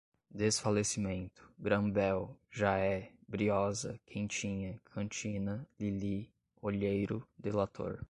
desfalecimento, gran bell, já é, briosa, quentinha, cantina, lili, olheiro, delator